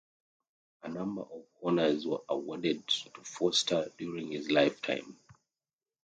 A number of honours were awarded to Foster during his lifetime.